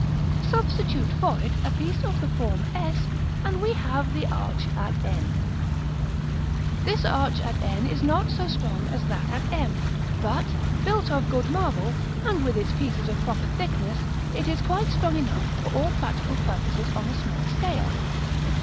Substitute for it a piece of the form s, and we have the arch at n. § XX. This arch at n is not so strong as that at m; but, built of good marble, and with its pieces of proper thickness, it is quite strong enough for all practical purposes on a small scale.